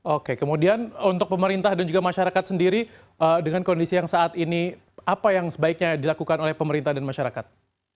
oke kemudian untuk pemerintah dan juga masyarakat sendiri dengan kondisi yang saat ini apa yang sebaiknya dilakukan oleh pemerintah dan masyarakat